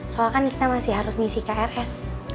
soal kan kita masih harus ngisi krs